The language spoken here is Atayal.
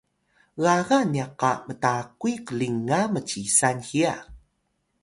gaga nya qa mtakuy qlinga mcisal hiya